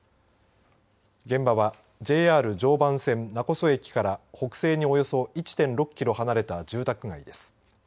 現場は、ＪＲ常磐線勿来駅から北西におよそ１．６キロ離れた住宅街です。